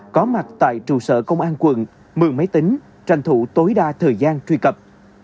có mặt tại trụ sở công an quận mượn máy tính tranh thủ tối đa thời gian truy cập